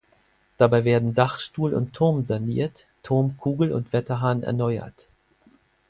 Dabei werden Dachstuhl und Turm saniert, Turmkugel und Wetterhahn erneuert.